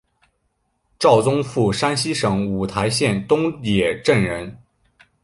赵宗复山西省五台县东冶镇人。